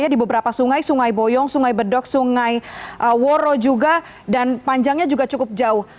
di beberapa sungai sungai boyong sungai bedok sungai woro juga dan panjangnya juga cukup jauh